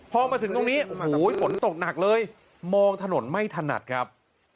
พอมาถึงตรงนี้โอ้โหฝนตกหนักเลยมองถนนไม่ถนัดครับ